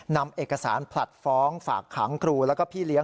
นำเอกสารผลัดฟ้องฝากขังครูแล้วก็พี่เลี้ย